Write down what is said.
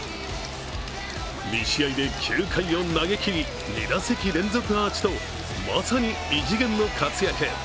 ２試合で９回を投げきり、２打席連続アーチとまさに異次元の活躍。